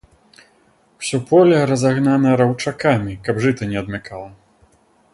Усё поле разагнана раўчакамі, каб жыта не адмякала.